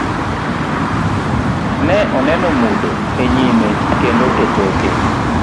Ne oneno mudho enyime kendo e toke.